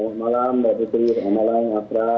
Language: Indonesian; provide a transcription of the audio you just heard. selamat malam mbak pras